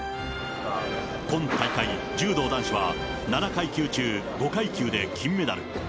今大会、柔道男子は７階級中５階級で金メダル。